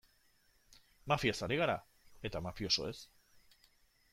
Mafiaz ari gara, eta mafiosoez.